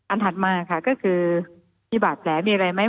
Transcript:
ถัดมาค่ะก็คือมีบาดแผลมีอะไรไหม